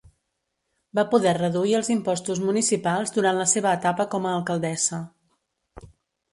Va poder reduir els impostos municipals durant la seva etapa com a alcaldessa.